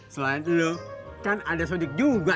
selain lu kan ada sudik juga